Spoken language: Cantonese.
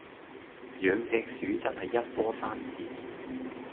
養隻鼠真係一波三折